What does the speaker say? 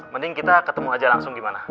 mending kita ketemu aja langsung gimana